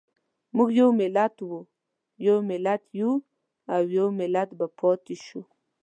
موږ یو ملت وو، یو ملت یو او يو ملت به پاتې شو.